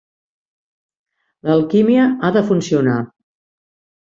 L'alquímia ha de funcionar.